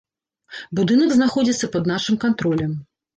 Будынак знаходзіцца пад нашым кантролем.